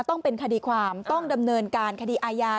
ต้องเป็นคดีความต้องดำเนินการคดีอาญา